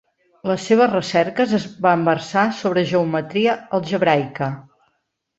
Les seves recerques van versar sobre geometria algebraica.